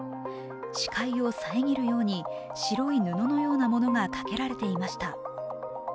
視界を遮るように、白い布のようなものがかけられていました。